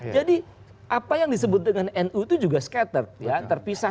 jadi apa yang disebut dengan nu itu juga terpisah